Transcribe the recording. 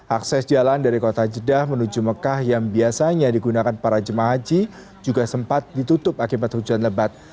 akses jalan dari kota jeddah menuju mekah yang biasanya digunakan para jemaah haji juga sempat ditutup akibat hujan lebat